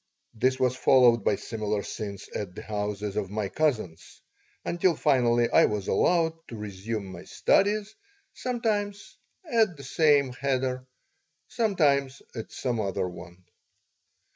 This was followed by similar scenes at the houses of my cousins, until finally I was allowed to resume my studies, sometimes at the same cheder, sometimes at some other one.